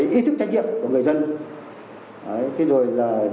ý thức trách nhiệm của người dân